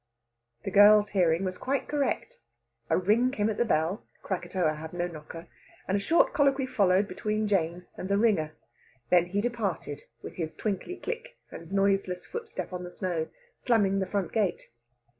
The girl's hearing was quite correct. A ring came at the bell Krakatoa had no knocker and a short colloquy followed between Jane and the ringer. Then he departed, with his twinkly click and noiseless footstep on the snow, slamming the front gate.